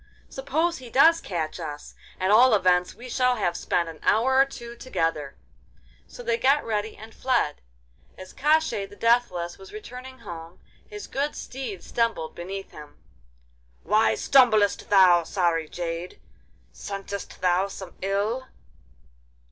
'Suppose he does catch us. At all events we shall have spent an hour or two together.' So they got ready and fled. As Koshchei the Deathless was returning home, his good steed stumbled beneath him. 'Why stumblest thou, sorry jade? Scentest thou some ill?